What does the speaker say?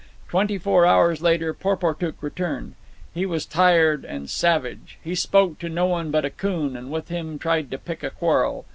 Twenty four hours later Porportuk returned. He was tired and savage. He spoke to no one but Akoon, and with him tried to pick a quarrel.